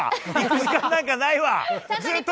時間なんかないわ。